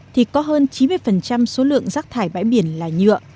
thì có hơn chín mươi số lượng rác thải bãi biển là nhựa